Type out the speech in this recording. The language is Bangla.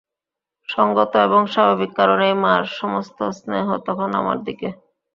সঙ্গত এবং স্বাভাবিক কারণেই মার সমস্ত স্নেহ তখন আমার দিকে।